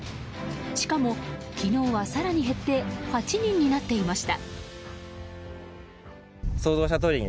しかも昨日は更に減って８人になっていました。